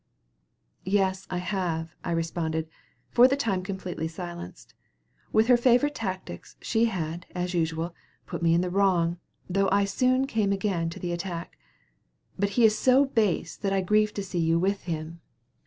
"Yes, I have," I responded, for the time completely silenced. With her favorite tactics, she had, as usual, put me in the wrong, though I soon came again to the attack. "But he is so base that I grieve to see you with him."